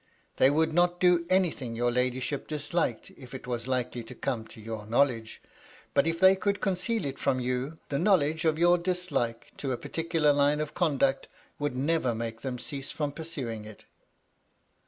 " They would not do anything your ladyship disliked if it was likely to come to your knowledge ; but if they could conceal it from you, the knowledge of your dis like to a particular line of conduct would never make them cease from pursuing it."